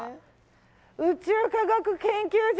宇宙科学研究所！